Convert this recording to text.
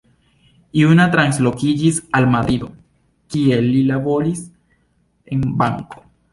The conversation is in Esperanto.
Juna translokiĝis al Madrido, kie li laboris en banko.